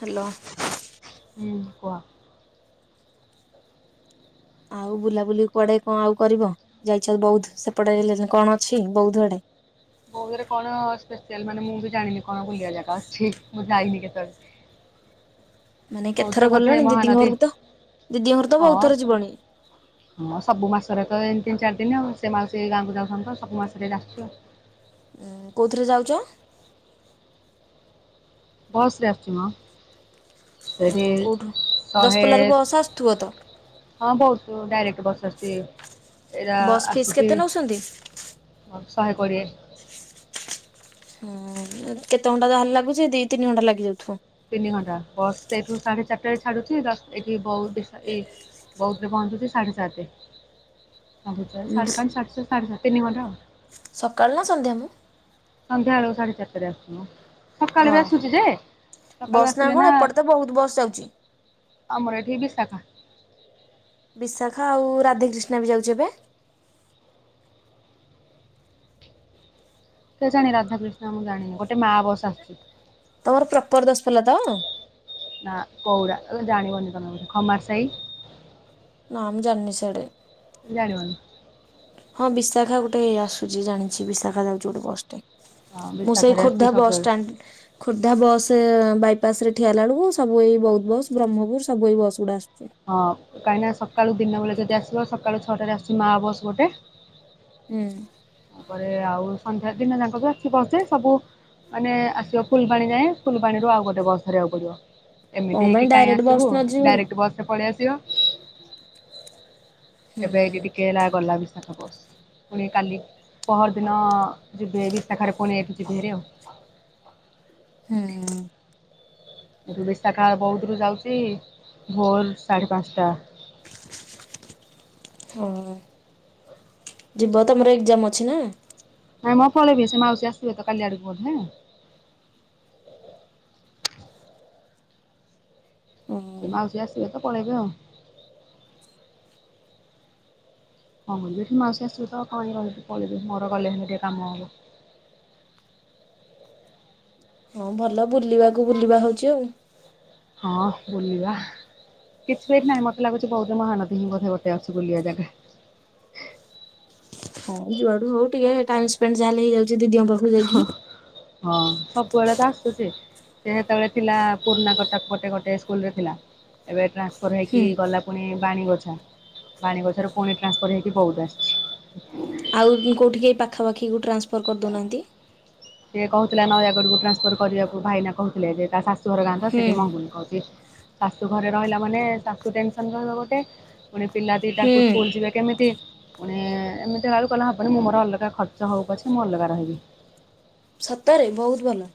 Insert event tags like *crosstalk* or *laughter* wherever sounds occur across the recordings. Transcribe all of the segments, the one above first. Hello. ହୁଁ କୁହ। ଆଉ ବୁଲାବୁଲି କୁଆଡ଼େ କଁ ଆଉ କରିବ ଯାଇଛ ବୌଦ୍ଧ ସେପଟେ ଏଇଲେ ଯେ କଣ ଅଛି ବୌଦ୍ଧ ଆଡ଼େ? ଚିକ୍। ବୋଉଧରେ କଣ ସ୍ପେସିଆଲ୍ ମାନେ ମୁଁ ବି ଜାଣିନି କଣ ବୁଲିବା ଜାଗା ଅଛି ହିଁ ମୁଁ ଯାଇନି କେତଳେ। ହୁଁ ହୁଁ। ମାନେ କେତେ ଥର ଗଲଣି ଦିଦିଙ୍କ ମହାନଦୀ ଘରୁକୁ ତ ଦିଦିଙ୍କ ଘରୁ ତ ହଁ। ବହୁତ୍ ଥର ଯିବଣି। ହଁ ସବୁ ମାସରେ ତ ଏ ତିନ ଚାର୍ ଦିନି ଆଉ ସେ ମାଉସି ଏଇ ଗାଁକୁ ଯାଉଛନ୍ତି ତ ସବୁ ମାସରେ ଯେ ଆସଚୁ ଆଉ। ଏଁ କୋଉଥିରେ ଯାଉଚ? ବସ୍ ରେ ଆସୁଚି ମ। ଫେରି ଉଁ କୋଉଠୁ ଶହେ ଦଶପଲ୍ଲାରୁ ବସ୍ ଆସୁଥିବ ତ? ହଁ ବହୁତ୍ ଡାଇରେକ୍ଟ୍ ବସ୍ ଆସୁଚି। ଏଇରା ବସ୍ ଫିସ୍ ଆସୁଚି କେତେ ନଉଛନ୍ତି? ହଁ ଶହେ କୋଡ଼ିଏ। ହଁ ଏ କେତେ ଘଣ୍ଟା ଯା ହେଲେ ଲାଗୁଚି? ଦି ତିନି ଘଣ୍ଟା ଲାଗିଯାଉଥୁବ। ତିନି ଘଣ୍ଟା ବସ୍ ସେଇଠୁ ସାଢ଼େ ଚାରିଟାରେ ଛାଡୁଚି ଦଶ୍ ଏଠି ବଉଦିର୍ଶା ଏଇ ବଉଧରେ ପହଞ୍ଚୁଛି ସାଢ଼େ ସାତେ। ପହଞ୍ଜିଲା ଅଳୁ ସାଢ଼େ ପାଞ୍ଚ୍ ସାଢ଼େ ଛଅ ସାଢ଼େ ସାତ ତିନି ଘଣ୍ଟା ଆଉ। ସକାଳୁ ନା ସନ୍ଧ୍ୟା ମ। ସନ୍ଧ୍ୟା ବେଳକୁ ସାଢ଼େ ଚାରିଟାରେ ଆସୁନ। ସକାଳେ ବି ଓହୋ ଆସୁଚି ଯେ ସକାଳୁ ବସ୍ ଆସିଲେ କଣ ନା ଏପଟେ ତ ବହୁତ ବସ୍ ଯାଉଛି। ଆମର ଏଠି ବିଶାଖା। ବିଶାଖା ଆଉ ରାଧେକ୍ରିଷ୍ଣା ବି ଯାଉଛି ଏବେ। କେଜାଣି ରାଧାକ୍ରିଷ୍ଣ ମୁଁ ଜାଣିନି, ଗୋଟେ ମା ବସ ଆସୁଛି। ତମର ପ୍ରପର ଦଶପଲ୍ଲା ତ? ନା କଉରା ଜାଣିବନି ତମେ ବଧେ ଖମାର ସାହି। ନା ମୁଁ ଜାଣିନି ସାଡ଼େ। ଜାଣିବନି। ହଁ ବିଶାଖା ଗୋଟେ ଆସୁଛି ଜାଣିଛି ବିଶାଖା ଯାଉଛି ଗୋଟେ ବସ। ହଁ ମୁଁ ସେଇ ବିଶାଖାରେ ଆସୁଛି ଖୋର୍ଦ୍ଧା ବସ୍ ସବୁବେଳେ। ଷ୍ଟାଣ୍ଡ୍ ଖୋର୍ଦ୍ଧା ବସ୍ ବାଇ ପାସରେ ଠିଆ ହେଲା ବେଳକୁ ସବୁଏଇ ବୌଦ ବସ ବ୍ରହ୍ମପୁର ସବୁ ଏ ବସ ଗୁଡ଼ା ଆସୁ ହଁ କାହିଁକିନା ସକାଳୁ ଦିନ ବେଳେ ଯଦି ଆସିବ ସକାଳୁ ଛଅଟାରେ ଆସୁଛି ମା ବସ ଗୋଟେ। ହୁଁ। ତାପରେ ଆଉ ସନ୍ଧ୍ୟା ଦିନଯାକ ବି ଆସୁଛି ବସ ଯେ ସବୁ ମାନେ ଆସିବ ଫୁଲବାଣୀ ଯାଏଁ ଫୁଲବାଣୀରୁ ଆଉ ଗୋଟେ ବସ୍ ଧରିବାକୁ ପଡ଼ିବ। କଣ ଏମିତି ପାଇଁ ହେଇକି କାଇଁ ଡାଇରେକ୍ଟ ବସ୍ ଆସିବୁ ନ ଯିବ ଭାରି ଡାଇରେକ୍ଟ ବସ ରେ ପଳେଇ ଆସିବ। ହୁଁ ଏବେ ଏଇଠି ଟିକେ ହେଲା ଗଲା ବିଶାଖା ବସ ପୁଣି କାଲି ପହର ଦିନ ଯିବି ଏ ବିଶାଖାରେ ପୁଣି ଏଇଠୁ ଯିବି ହେରି ଆଉ। ହୁଁ। ଏଠୁ ବିଶାଖା ବୌଦରୁ ଯାଉଛି ଭୋର ସାଢ଼େ ପାଞ୍ଚଟା। ହଁ ଯିବ ତମର ଏକ୍ଜାମ ଅଛି ନା? ନାଇ ମୁଁ ପଳେଇବି ସେ ମାଉସୀ ଆସିବେ ତ କାଲି ଆଡକୁ ବଧେ। ସେ ମାଉସୀ ଆସିବେ ତ ପଳେଇବି ଆଉ। ହଁ ମୁଁ କହିଲି ଏଠି ମାଉସୀ ଆସିବେ ତ କାହିଁ ରହିବି ପଳେଇବି ମୋର ଗଲେ ହେଲେ ଟିକେ କାମ ହବ। ହଁ ଭଲ ବୁଲିବାକୁ ବୁଲିବା ହଉଛି ଆଉ। ହଁ ବୁଲିବା। କିଛି ବିଏଠି ନାଇଁ ମୋତେ ଲାଗୁଛି ବହୁତ ମହାନଦୀ ହିଁ ବୋଧେ ଗୋଟେ ଅଛି ବୁଲିବା ଜାଗା। ହଉ ଯୁଆଡ଼ୁ ହଉ। ଟିକେ ଟାଇମ ସ୍ପେଣ୍ଡ ଯାହେଲେ ହେଇଯାଉଛି ଦିଦିଙ୍କ ପାଖକୁ ଯାଇକି। ହଁ ସବୁବେଳେ ତ ଆସୁଛି। ସେ ସେତେବେଳେ ଥିଲା ପୁରୁଣା କଟକ ପଟେ ଗୋଟେ ସ୍କୁଲରେ ଥିଲା ଏବେ ଟ୍ରାନ୍ ଫର ହେଇକି ହୁଁ ଗଲା ପୁଣି ବାଣୀଗୋଛା ବାଣୀଗୋଛାରୁ ପୁଣି ଟ୍ରାନ୍ସଫର୍ ହେଇକି ବୌଦ ଆସିଛି। ଆଉ କୋଉଠି କି ଏଇ ପାଖାପାଖିକୁ ଟ୍ରାନ୍ସଫର୍ କରିଦଉନାହାଁନ୍ତି। ସେ କହୁଥିଲା ନୟାଗଡ଼କୁ ଟ୍ରାନ୍ସଫର କରିବାକୁ ଭାଇନା କହୁଥିଲେ ଯେ ତା ଶା ଶାଶୂଘର ଗାଁ ତ ହୁଁ ସେଇଠି ମଙ୍ଗୁନି କହୁଛି ଶାଶୁ ଘରେ ରହିଲା ମାନେ ଶାଶୁ ଟେନସନ୍ ରହିବ ଗୋଟେ। ପୁଣି ପିଲା ଦିଟାକୁ ହୁଁ ସ୍କୁଲ ଯିବେ କେମିତି? ପୁଣି ଏମିତିକା ହେଲେ କହିଲା ହବନି ମୁଁ ମୋର ଅଲଗା ଖର୍ଚ୍ଚ ହଉ ପଛେ ମୁଁ ଅଲଗା ରହିବି। ସତରେ ବହୁତ ଭଲ।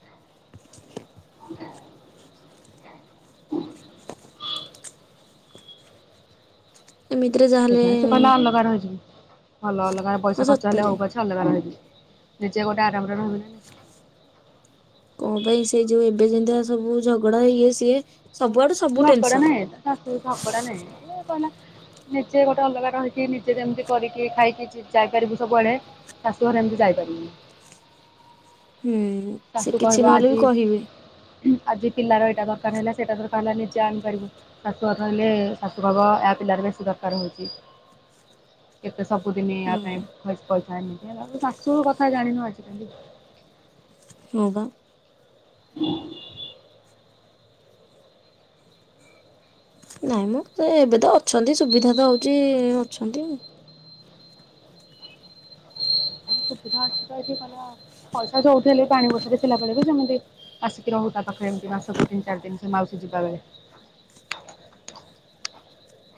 ଏମିତି ରେ ଯାହେଲେ ସେଥିପାଇଁ ସେ କହିଲା ଅଲଗା ରହିଯିବୁ। ଭଲ ଅଲଗା ପଇସା ଖର୍ଚ୍ଚ ହେଲେ ହଉ ପଛେ ଅଲଗା ରହିବି। ନିଜେ ଗୋଟେ ଆରାମରେ ରହିବି ନା। କଣ ପାଇଁ ସେ ଯୋଉ ଏବେ ଯେନ୍ତିଆ ସବୁ ଝଗଡ଼ା ଇଏ ସିଏ ସବୁଆଡୁ ସବୁ ଝଗଡ଼ା ଟେନସନ। ନାହିଁ ଏକା ଶାଶୁ ଝଗଡ଼ା ନାହିଁ କ ନିଜେ ଗୋଟେ ଅଲଗା ରହିକି ନିଜେ ଯେମିତି କରିକି ଖାଇକି ଯାଇପାରିବୁ ସବୁଆଡ଼େ ଶାଶୁ ଘରେ ଏମିତି ଯାଇ ପାରିବୁନି। ହୁଁ ସେ ଶାଶୁ କିଛି କହିବ ନହେଲେ ବି କହିବେ ଆଜି ଆଜି ପିଲାର ଏଇଟା ଦରକାର ହେଲା ସେଇଟା ଦରକାର ହେଲା ନିଜେ ଆଣି ପାରିବୁ, ଶାଶୁଘର ରହିଲେ ଶାଶୁ କହିବ ୟା ପିଲାର ବେଶୀ ଦରକାର। କାର ହଉଚି। *inaudible* ସବୁଦିନ ଆ ପାଇଁ ପଇସା *unintelligible* ଶାଶୁ କଥା ଜାଣିନୁ ଆଜି କାଲି। ହଁ ବା। *inaudible* ନାଇଁ ମ, ଏବେ ତ ଅଛନ୍ତି, ସୁବିଧା ତ ହଉଚି ଅଛନ୍ତି ଆଉ। ସୁବିଧା ଅଛି ତ ଏଠି *unintelligible* ପଇସା ଯଉଠୁ ହେଲେବି ପାଣି ବସାରେ ଥିଲା ବେଳେ ବି ସେମିତି ଆସିକି ରହୁଥା ପାଖପାଖ ଏମିତି ମାସକୁ ତିନ ଚାରି ଦିନି ସେ ମାଉସୀ ଯିବା ବେଳେ। *inaudible*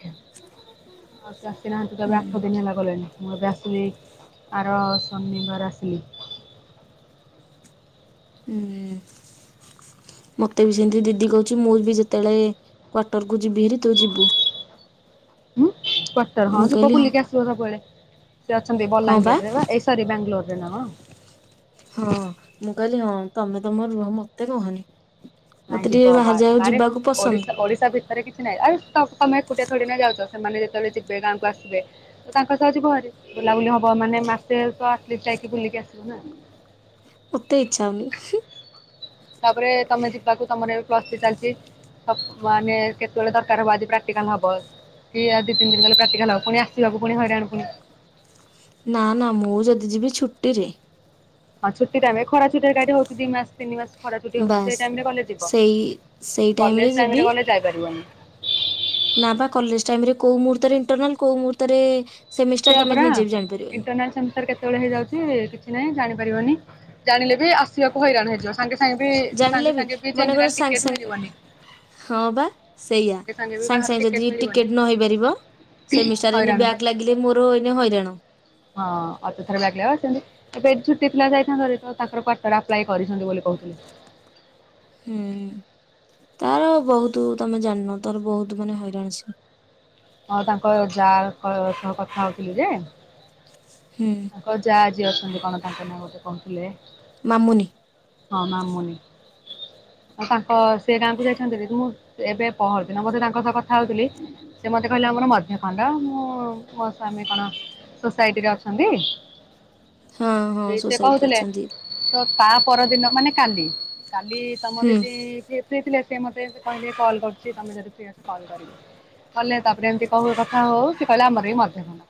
ଆଉ ସେ ଆସିନାହାନ୍ତି ତ ଏବେ ଆଠ ଦିନ ହେଲା ଗଲେଣିି। ମୁଁ ଏବେ ଆସିଲି ଆର ଶନିବାର ଆସିଲି। ହୁଁ। ମତେ ବି ସେମିତି ଦିଦି କହୁଚି ମୁଁ ବି ଯେତେବେଳେ କ୍ୱାଟର କୁ ଯିବି ହେରି ତୁ ଯିବୁ। ଉଂ କ୍ୱାଟର ହଁ ମୁଁ ଯିବ କହିଲି ବୁଲିକି ଆସିବ ସବୁବେଳେ। ସେ ଅଛନ୍ତି ହଁ ବା ବଲାଙ୍ଗିରରେ ପା ଏସରି ଵ୍ୟାଙ୍ଗାଲୋର ରେ ନା କଣ। ହଁ ମୁଁ କହିଲି ହଁ ତମେ ତମର ରୁହ ମତେ କୁହନି। ନାଇଁ ଯିବ ବା ଆରେ ଓଡିଶା ଓଡିଶା ଭିତରେ କିଛି ନାଇଁ ଆଉ ତମେ ଏକୁଟିଆ ଥୋଡିନା ଯାଉଚ। ସେମାନେ ଯେତେବେଳେ ଯିବେ ଗାଁକୁ ଆସିଵେ, ତାଙ୍କ ସହ ଯିବ ହରି ବୁଲାବୁଲି ହବ ମାନେ ମାସେ ତ ଆଟଲିଷ୍ଟ ଟା ଟିକେ ବୁଲିକି ଆସିବ ନା ମତେ ଇଛା ହଉନି। ତାପରେ ତମେ ଯିବାକୁ ତମର ଏବେ ପ୍ଲସ ଥ୍ରୀ ଚାଲିଚି। ମାନେ କେତେବେଳେ ଦରକାର ହବ ଆଜି ପ୍ରାକଟିକାଲ ହବ କି ଆଉ ଦି ତିନି ଦିନ ଗଲେ ପ୍ରାକ୍ଟିକାଲ ହବ ପୁଣି ଆସିବାକୁ ପୁଣି ହଇରାଣ ପୁଣି ନା ନା ମୁଁ ଯଦି ଯିବି ଛୁଟିରେ। ହଁ ଛୁଟି ଟାଇମ ରେ ଖରା ଛୁଟି ଟା ଏଠି ହଉଛି ଦି ମାସ ତିନି ମାସ। ଖରା ଛୁଟି ହଉଚି ବାସ୍ ସେ ଟାଇମ ରେ ଗଲେ ଯିବ ସେଇ ସେଇ କଲେଜ ଯିବି ଟାଇମରେ ଗଲେ ଯାଇପାରିବନି। ନା ପା କଲେଜ ଟାଇମ ରେ କୋଉ ମୁହୂର୍ତ୍ତରେ ଇଣ୍ଟରନାଲ କୋଉ ମୁହୂର୍ତ୍ତରେ ସେମିଷ୍ଟାର ସେୟା ତମେ ପରା ନିଜେ ବି ଜାଣିପାରିବନି ଇଣ୍ଟରନାଲ ସେମିଷ୍ଟାର କେତେବେଳେ ହେଇଯାଉଚି କିଛି ନାଇଁ ଜାଣିପାରିବନି ଜାଣିଲେ ବି ଆସିବାକୁ ହଇରାଣ ହେଇଯିବ। ସାଙ୍ଗେ ସାଙ୍ଗେ ବି ଜାଣିଲେ ସାଙ୍ଗେ ସାଙ୍ଗେ ବି ମନେକର ଜେନେରାଲ ସାଙ୍ଗେ ଟିକେଟ ମିଳିିଵନି। ସେଇଆା ସାଙ୍ଗେ ସାଙ୍ଗେ ଯଦି ଟିକେଟ ନହଇ ପାରିବ ସେମିଷ୍ଟାର ରେ ଏଣି ହଇରାଣ ବା ବ୍ୟାକ ଲାଗିଲେ ମୋର ଏଇନେ ହଇରାଣ। ହଁ ଅଯଥାରେ ବ୍ୟାକ ଲାଗିବ ସେମିତି ଏବେ ସେ ପିଲା ଯାଇଥାନ୍ତା ଭାରୀ ତାଙ୍କର କ୍ୱାର୍ଟର ଆପଲାୟ କରିଛନ୍ତି ବୋଲି କହୁଥିଲେ। ହୁଁ। ତାର ବହୁତ ତମେ ଜାଣିନ, ତାର ବହୁତ ମାନେ ହଇରାଣ ସିଏ। ହଁ ତାଙ୍କ ଯା ସହ କଥା ହଉଥିଲି ଯେ ହୁଁ ତାଙ୍କ ଯା ଯିଏ ଅଛନ୍ତି କଣ ତାଙ୍କ ନାଁ ଗୋଟେ କହୁଥିଲେ ମାମୁନି ହଁ ମାମୁନି। *inaudible* ହଁ ତାଙ୍କ ସେ ଗାଁ କୁ ଯାଇଛନ୍ତି ହେରି ତ ମୁଁ ଏବେ ପହରଦିନ ବୋଧେ ତାଙ୍କ ସହ କଥା ହଉଥିଲି ସେ ମତେ କହିଲେ ପୁଣି ମଧ୍ୟ ଖଣ୍ଡ ମୁଁ ମୋ ସ୍ଵାମୀ କଣ ସୋସାଇଟିରେ ଅଛନ୍ତି। ହଁ ହଁ ସେ ସୋସାଇଟିରେ କହୁଥିଲେ ଅଛନ୍ତି ତ ତା ପରଦିନ ମାନେ କାଲି କାଲି ତମ ହୁଁ ଦିଦି *unintelligible* ସେ ମତେ ଏମିତି କହିଲେ କଲ୍ କରୁଚି ତମେ ଯଦି ଫ୍ରି ଅଛ କଲ୍ କରିବ। କଲେ ତାପରେ ଏମିତି କ କଥା ହଉ ସେ କହିଲେ ଆମର ବି ମଧ୍ୟ ଖଣ୍ଡ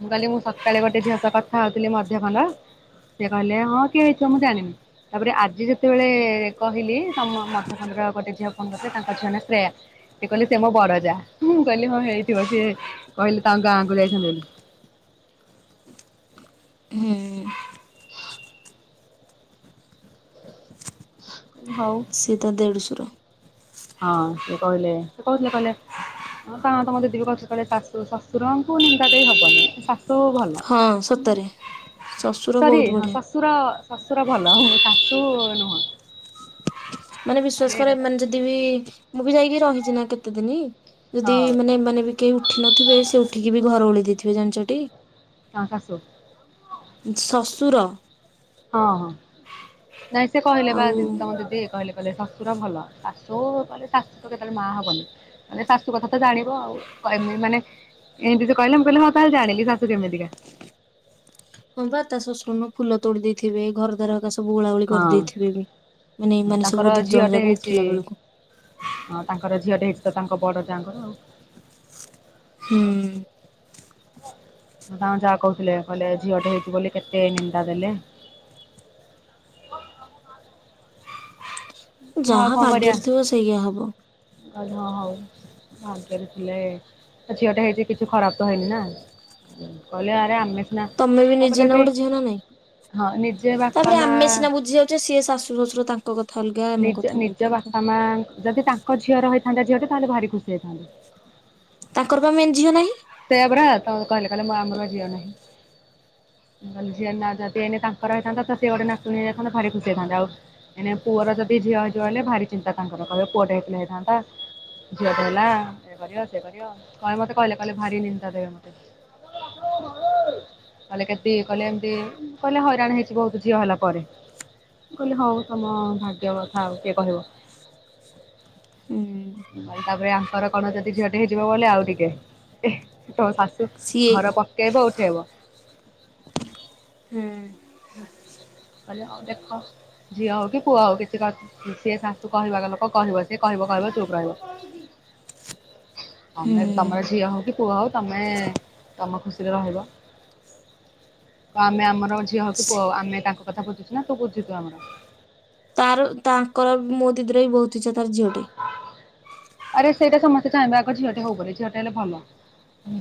ମୁଁ କହିଲି ମୁଁ ସକାଳେ ଗୋଟେ ଝିଅସ କଥା ହଉଥିଲି ମଧ୍ୟ ଖଣ୍ଡ ସିଏ କହିଲେ ହଁ କିଏ ହେଇଥିବ ମୁଁ ଜାଣିନି। ତାପରେ ଆଜି ଯେତେବେଳେ କହିଲି ତମ ମଧ ଖଣ୍ଡର ଗୋଟେ ଝିଅ ଫୋନ କରିଥିଲେ ତାଙ୍କ ଝିଅ ନା ଶ୍ରେୟା। ସେ କହିଲେ ସେ ମୋ ବଡ ଯା ମୁଁ କହିଲି ହଁ ହେଇଥିବ ସିଏ କହିଲେ ତାଙ୍କ ଗାଁକୁ ଯାଇଚନ୍ତି ବୋଲି। *inaudible* ହୁଁ। ହଉ ସୀଏ ତା ଦେଢଶୁର। ହଁ ସେ କହିଲେ ସେ କହୁଥିଲେ କହିଲେ ହଁ ପା ତମ ଦିଦି ବି କହୁଥିଲେ କାଳେ ଶାଶୁ ଶଶୁରଙ୍କୁ ନିନ୍ଦା ଦେଇ ହବନି ଶାଶ ସୁ କିନ୍ତୁ ଭଲ। ହଁ ସତରେ ଶ୍ୱଶୁର ସରି ବହୁତ ହ ବଢିଆ ଶଶୁର ଶଶ ସୁର ଭଲ ଓହୋ ଶାସୁ ନୁହଁ। ମାନେ ମୁଁ କହିଲି ବିଶ୍ଵାସ କରେ ଏଇଟା ତ ଏମାନେ ଯଦି ବିି ମୁଁ ବି ଯାଇକି ରହିଛି ନା କେତେ ଦିନି। ଯଦି ହଁ ମାନେ ଏମାନେ ବି କେହି ଉଠି ନଥିବେ ସେ ଉଠିକି ବି ଘର ଓଳେଇ ଦେଇଥିବେ ଜାଣିଚଟି। ତାଙ୍କ ଶାଶୁ ଶୁର ହଁ ହଁ ନାଇଁ ସେ କହିଲା ବା ଆଉ ତମ ଦିଦି କହିଲେ। କହିଲେ ଶଶୁର ଭଲ ଶାଶୁ କେ ଶାଶୁ ତ କେତେବେଳେ ମା ହବନି ମାନେ ଶାଶୁ କଥା ତ ଜାଣିବ ଆଉ। କହିମି ମାନେ ଏମିତି ସେ କହିଲେ ମୁଁ କହିଲି ହଁ ତାହେଲେ ଜାଣିଲି ଶାଶୁ କେମିତିକା। ହଁ ବା ତା ଶଶୁର ମୋ ଫୁଲ ତୋଡି ଦେଇେଇଥିବେ ଘର ଦ୍ୱାର ବାସ ସବୁ ଓଳା ଓଳି ହଁ। କରିଦେଇଥିବେ ବି ମାନେ ଏମାନେ ତାଙ୍କର ସବୁ ଦି ଜଣ ଝିଅଟେ ଯାକ ହେଇଛି ଉଠିଲା ବେଳକୁ। ହଁ ତାଙ୍କର ଝିଅଟେ ହେଇଛି ତ ତାଙ୍କ ବଡ ଯାଙ୍କର ଆଉ। ହୁଁ। ତାଙ୍କ ଯା କହୁଥିଲେ କହିଲେ ଝିଅଟେ ହେଇଛି ବୋଲି କେତେ ନିନ୍ଦା ଦେଲେ। ଯାହା ଭାଗ୍ୟରେ ଥିବ ସେଇଆ ହବ। ମୁଁ କହିଲି ହଁ ହଉ। ଭାଗ୍ୟରେ ଥିଲେ ଝିଅ ଟା ହେଇଛି କିଛି ଖରାପ ତ ହେଇନି ନା। କହିଲେ ଆରେ ଆମେ ସିନା ତମେ ନିଜେ ତାପରେ ନା ବି ଗୋଟେ ଝିଅ ନା ନାଇଁ। ହଁ ନିଜେ ବାପା ତାପରେ ମା ଆମେ ସିନା ବୁଝି ଯାଉଛେ ସିଏ ଶାଶୁ ଶ୍ୱଶୁର ତାଙ୍କ କଥା ଅଲଗା ଆମ ନିଜ କଥା ବହୁତ ନିଜ ଅଲଗା। ବାପା ମା ଯଦି ତାଙ୍କ ଝିଅ ର ହେଇଥାନ୍ତା ଝିଅ ଟେ ତାହେଲେ ଭାରି ଖୁସି ହେଇ ଥାନ୍ତେ। ତାଙ୍କର ପା ମେନ୍ ଝିଅ ନାହିଁ। ସେଇୟଆ ପରା ତମ କହିଲେ, କହିଲେ ଆମର ବା ଝିଅ ନାହିଁ। *inaudible* ମୁଁ କହିଲି ଝିଅ ନାଁ ଯଦି ଏଇନା ତାଙ୍କର ହେଇଥାନ୍ତା ତ ସେ ଗୋଟେ ନାତୁଣି ହେଇଯାଇଥାନ୍ତା ଭାରି ଖୁସି ହେଇଥାନ୍ତେ। ଆଉ ଏଇନା ପୁଅର ଯଦି ଝିଅ ହେଇଚି ମାନେ ଭାରି ଚିନ୍ତା ତାଙ୍କର କହିବେ ପୁଅଟ ହେଇ ହେଇଥାନ୍ତା। ଝିଅ ଟେ ହେଲା ଏ କରିବ ସେ କରିବ କହେ ମତେ କହିଲେ କହିଲେ ଭାରି ନିନ୍ଦା ଦେବେ ମୋତେ। କହିଲେ କେତ ଇଏକଲେ ଏମିତି କହିଲେ ହଇରାଣ ହେଇଛି ବହୁତ ଝିଅ ହେଲା ପରେ। ମୁଁ କହିଲି ହଉ ତମ ଭାଗ୍ୟ କଥା ଆଉ କିଏ କହିବ। *inaudible* କହିଲେ ତାପରେ ଆଙ୍କର କଣ ଜଦି ଝିଅ ଟେ ହେଇଯିବ ବଲେ ଆଉ ଟିକେ ତମ ଶାଶ ସିଏ ଘର ପକେଇବ ଉଠେଇବ। ହୁଁ। କହିଲେ ଦେଖ ଝିଅ ହଉ କି ପୁଅ ହଉ କିଛି କଥ ସିଏ ଶାଶୁ କହିବା ଲୋକ କହିବ ସେ କହିବ କହିବ ଚୁପ୍ ରହିବ। *inaudible* ମେ ହୁଁ ତମର ଝିଅ ହଉ କି ପୁଅ ହଉ ତମେ ତମ ଖୁସିରେ ରହିବ। ତ ଆମେ ଆମର ଝିଅ ହଉ କି ସେ ପୁଅ ଆମେ ତାଙ୍କ କଥା ବୁଝୁଛୁ ନା ତୁ ବୁଝୁଛୁ ଆମର। ତାର ତାଙ୍କର ମୋ ଦିଦିର ବି ବହୁତ ଇଛା ତାର ଝିଅଟେ। ଆରେ ସେଇଟା ସମସ୍ତେ ଚାହିଁବେ ଆଗ ଝିଅଟେ ହଉ ବୋଲି ଝିଅଟେ ହେଲେ ଭଲ।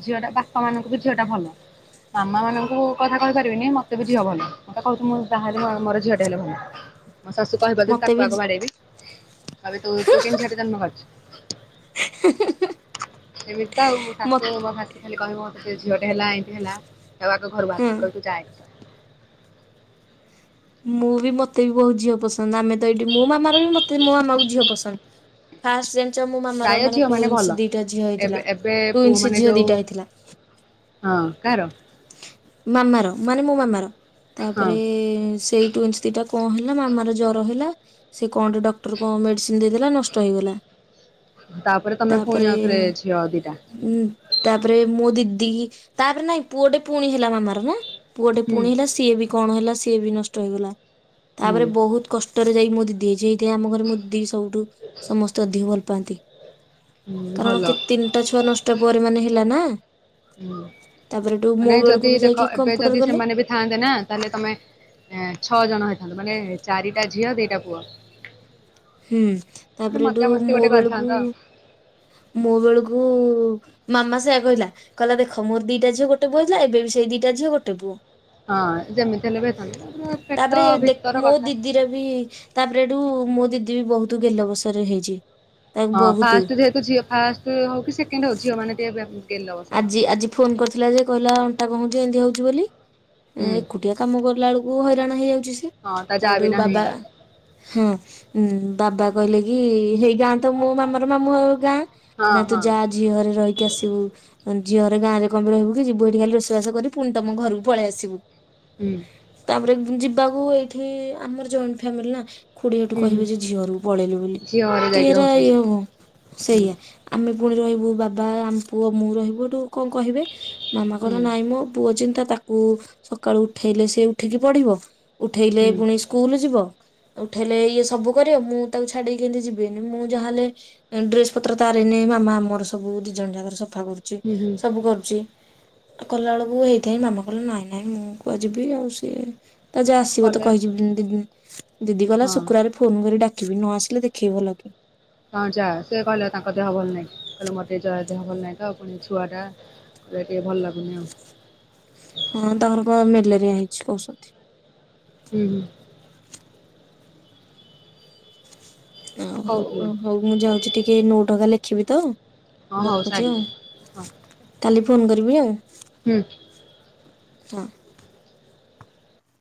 ଝିଅ ଟା ବାପା ମାନଙ୍କୁ ବି ଝିଅ ଟା ଭଲ। ମାମା ମାନଙ୍କୁ କଥା କହି ପାରିବିନି ମତେ ବି ଝିଅ ଭଲ ମୁଁ ତ କହୁଛି ମୁଁ ବାହାହେଲେ ମୋର ଝିଅ ଟେ ହେଲେ ଭଲ। ମୋ ଶାଶୁ କହିବ ଯଦି ମତେ ବି ତାକୁ ଆଗ ବାଡେଇବି। କହିବି ତୁ ତୁ କେମିତି ଝିଅଟେ ଜନ୍ମ କରିଚୁ। ଏମିତି ତ ଆଉ ଶାଶୁ ମତ ମୋ ଶାଶୁ ଖାଲି କହିବ ମୋତେ ଝିଅଟେ ହେଲା ଏନ୍ତି ହେଲା ତାକୁ ଆଗ ଘରୁ ବାହାର ହଁ କରିବି ମୁଁ କହିବି ଯାଏ *inaudible* ମୁଁ ବି ମୋତେ ବି ବହୁତ ଝିଅ ପସନ୍ଦ। ଆମେ ତ ଏଇଠି ମୋ ମାମା ର ବି ମତେ ମୋ ମାମାକୁ ଝିଅ ପସନ୍ଦ। ଫାଷ୍ଟ ଯେ ମୋ ପ୍ରାୟ ମାମାର ମାନେ ଝିଅ ଟୁଇନସ୍ ଭଲ ଦିଟା ଝିଅ ଏବେ ହେଇଥିଲା। ଏବେ ପୁଅ ଟୁଇନ୍ସ ମାନେ ଝିଅ ଯୋଉ ଦିଟା ହେଇଥିଲା। ହଁ। କାହାର? ମାମାର ମାନେ ମୋ ମାମାର। ହଁ ତାପରେ ସେଇ ଟ୍ୱଇଁଷ ଦିଟା କଣ ହେଲା ମାମାର ଜ୍ଵର ହେଲା। ସେ କଣ ଟେ ଡକ୍ଟର କଣ ମେଡିସିନ ଦେଇଦେଲା, ନଷ୍ଟ ହେଇଗଲା। ତାପରେ ତମେ ପୁଣି ତାପରେ, ଆଉଥରେ ଝିଅ ଦିଟା ତାପରେ ମୋ ଦି ଦି ତାପରେ ନାଇଁ ପୁଅଟେ ପୁଣି ହେଲା ମାମାର ନା ପୁଅଟେ ହୁଁ ପୁଣି ହେଲା ସିଏ ବି କଣ ହେଲା ସିଏ ବି ନଷ୍ଟ ହେଇଗଲା ହୁଁ ତାପରେ ବହୁତ କଷ୍ଟରେ ଯାଇକି ମୋ ଦିଦି ହେଇଛି। ଦି ଏ ଆମ ଘରେ ମୁଦି ସବୁଠୁ ସମସ୍ତେ ଅଧିକ ଭଲ ପାଆନ୍ତି। ହୁଁ କାରଣ କେ ଭଲ। ତିନିଟା ଛୁଆ ନଷ୍ଟ ପରେ ମାନେ ହେଲା ନା। ହୁଁ। ତାପରେ ଏଠୁ ମୋ ମାନେ ଯ ବେଳକୁ ଯି ବି ଯାଇକି ଦେଖ ଏବେ କମ୍ପୁଟର ଯଦି କଲେ। ସେମାନେ ବି ଥାଆନ୍ତେ ନା, ତାହେଲେ ତମେ ଛଅ ଜଣ କଣ ହେଇଥାନ୍ତା ମାନେ ଚାରିଟା ଝିଅ ଦିଟା ପୁଅ। ହୁଁ। ଗୋଟେ ତାପରେ ଏଠୁ ମଜାମସ୍ତି ମୋ ଗୋଟେ ବେଳକୁ କରିଥାନ୍ତ ମୋ ବେଳକୁ ମାମା ସେୟା କହିଲା, କହିଲା ଦେଖ ମୋର ଦିଟା ଝି, ଗୋଟେ ପୁଅ ହେଇଥିଲା। ଏବେ ବି ସେଇ ଦିଟା ଝିଅ, ଗୋଟେ ପୁଅ। ହଁ ଯେମିତି ହେଲେ ବି ହେଇଥାନ୍ତା ପେଟ ତାପରେ ଦେଖ୍ ଭିତର ମୋ କଥା ଦିଦିର ବି ତାପରେ ଏଠୁ ମୋ ଦିଦି ବି ବହୁତ ଗେଲ ବସରେ ହେଇଛି। ତାକୁ ହଁ। ବହୁତୁ ଫାଷ୍ଟ ଯେହେତୁ ଝିଅ ଫାଷ୍ଟ ହଉ କି ସେକେଣ୍ଡ ହଉ, ଝିଅମାନେ ଟିକେ ଗେଲ ଅବସର ଆଜି ହଉଛନ୍ତି ଆଜି ଫୋନ କରିଥିଲା ଯେ କହିଲା ଅଣ୍ଟା କଣ ହୋଉଛି, ଏମତି ହଉଛି ବୋଲି। ହୁଁ ଏକୁଟିଆ କାମ କରିଲା ବେଳକୁ ହଇରାଣ ହେଇଯାଉ ହଁ ତା ଯା ତାଠୁ ବି ନାହିଁ ବାବା, ହଁ ବାବା କହିଲେ କି, ହେଇ ଗାଁ ତ ମୋ ମାମାର ମାମୁଁ ଘର ଗାଁ, ହଁ ନା ତୁ ହଁ ଯା ଝିଅ ଘରେ ରହିକି ଆସିବୁ। ଝିଅରେ ଗାଁରେ କଣପାଇଁ ରହିବୁ କି ଯିବୁ ଏଠି ଖାଲି ରୋଷେଇବାସ କରି ପୁଣି ତମ ଘରକୁ ପଳେଇ ଆସିବୁ। ହୁଁ ତାପରେ ଯିବାକୁ ଏଇଠି ଆମର ଜଏଣ୍ଟ ଫ୍ୟାମିଲି ନା। ଖୁଡି ଏଠୁ ହୁଁ ହୁଁ କହିବେ ଯେ, ଝିଅ ଘରକୁ ପଳେଇଲି ବୋଲି। ଝିଅ ଘରେ ଯାଇକି କିରା ରହୁଛନ୍ତି ଇଏ ହୁଁ ସେଇଆ ଆମେ ପୁଣି ରହିବୁ, ବାବା ଆମ ପୁଅ ମୁଁ ରହିବୁୁ। କଣ କହିବେ ମାମା ହୁଁ କହିଲା ନାଇଁ ମୋ ପୁଅ ଚିନ୍ତା ତାକୁ ସକାଳୁ ଉଠେଇଲେ ସେ ଉଠିକି ପଢ଼ିବ, ଉଠେଇଲେ ହୁଁ ପୁଣି ସ୍କୁଲ ଯିବ। ଉଠେଇଲେ ଇଏ ସବୁ କରିବ, ମୁଁ ତାକୁ ଛାଡିକି କେମତି ଯିବିନି, ମୁଁ ଯାହା ହେଲେ ଡ୍ରେସ ପତ୍ର ତାରି ମାମା ଆମର ସବୁ ଦି ଜଣ ଯାକର ସଫା କରୁଛି, ହୁଁ ହୁଁ ସବୁ କରୁଛି। କଲା ବେଳକୁ ହେଇଥାଏ ମାମା କହିଲେ ନାଇଁ ନାଇଁ ମୁଁ କୁଆଡ଼େ ଯିବି? ଆଉ ସିଏ ତା ଯା ଆସିବ ତ ଗଲେ କହିିଚି ଦି ଦିଦି କହିଲା, ହଁ ଶୁକ୍ରବାର ଫୋନ କରି ଡାକ୍ କିବି ନ ଆସିଲେ, ଦେଖେଇବି ଭଲକି। ହଁ ଯା ସେ କହିଲେ ତାଙ୍କ ଦେହ ଭଲ ନାହିଁ। କହିଲେ, ମୋତେ ଯା ଦେହ ଭଲ ନାହିଁ ତ ପୁଣି ଛୁଆ ଟା କହିଲେ ଟିକେ ଭଲଲାଗୁନି ଆଉ। ହଁ ତାଙ୍କର କଣ ମେଲେରିଆ ହେଇଛି କହୁଛନ୍ତି। ହୁଁ। ଓ ସେ ହଉ, କହୁଥିଲେ ହଉ ମୁଁ ଯାଉଛି ଟିକେ ନୋଟ୍ ଆକା ଲେଖିବି ତ। ହଁ ହଉ ରଖୁଛି ଆଉ। ସାରିଦିଅ ହଁ କାଲି ଫୋନ କରିବି ଆଉ। ହୁଁ। ହଁ।